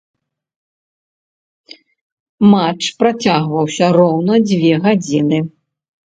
Матч працягваўся роўна дзве гадзіны.